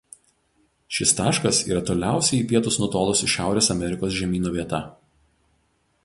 Šis taškas yra toliausiai į pietus nutolusi Šiaurės Amerikos žemyno vieta.